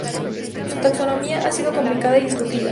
Su taxonomía ha sido complicada y discutida.